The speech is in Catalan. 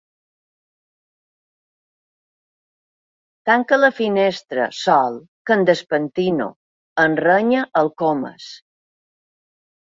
Tanca la finestra, Sol, que em despentino! —em renya el Comas.